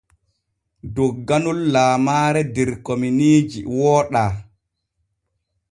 Dogganol lamaare der kominiiji wooɗa.